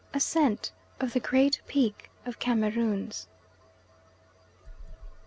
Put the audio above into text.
ASCENT OF THE GREAT PEAK OF CAMEROONS.